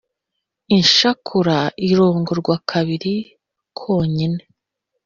Inshakura irongorwa kabiri konyine